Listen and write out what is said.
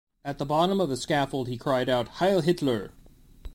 At the bottom of the scaffold he cried out "Heil Hitler!".